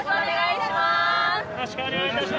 よろしくお願いします！